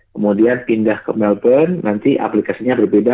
kemudian pindah ke melbourne nanti aplikasinya berbeda